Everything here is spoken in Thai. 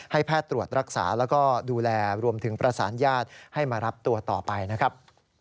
แพทย์ตรวจรักษาแล้วก็ดูแลรวมถึงประสานญาติให้มารับตัวต่อไปนะครับ